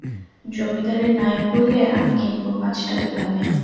জমিদারের নায়েব বললে, আমি কিনব, পাঁচ টাকা দামে।